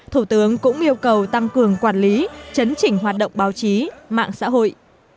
thủ tướng cũng yêu cầu tăng cường quản lý chấn chỉnh hoạt động báo chí mạng xã hội